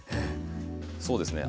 そうですね